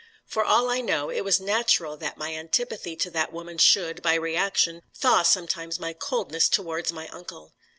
For all I know, it was natural that my antipathy to that woman should, by reaction, thaw sometimes my coldness towards my uncle.